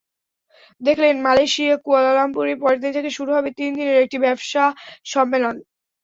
দেখলেন মালয়েশিয়ার কুয়ালালামপুরে পরদিন থেকে শুরু হবে তিন দিনের একটি ব্যবসা সম্মেলন।